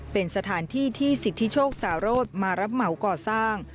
เป็นสถานที่ที่สิทธิโชคสารโรธมารับเหมาก่อสร้าง